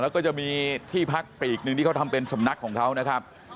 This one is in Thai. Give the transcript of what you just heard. แล้วก็จะมีที่พักปีกหนึ่งที่เขาทำเป็นสำนักของเขานะครับ